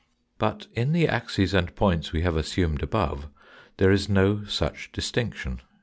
But in the axes and points we have assumed above there is no such distinction.